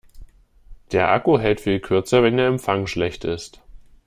Der Akku hält viel kürzer, wenn der Empfang schlecht ist.